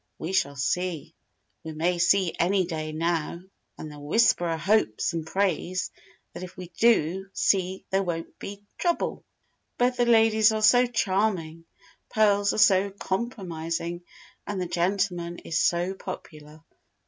We shall see. We may see any day now! And the 'Whisperer' hopes and prays that if we do see there won't be trouble. Both the ladies are so charming. Pearls are so compromising. And the gentleman is so popular.